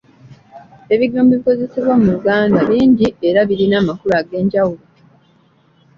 Ebigambo ebikozesebwa mu Lugnda bingi era birina amakulu ag'enjawulo.